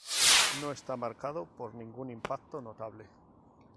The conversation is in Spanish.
No está marcado por ningún impacto notable.